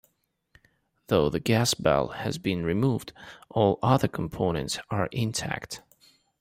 Though the gas bell has been removed, all other components are intact.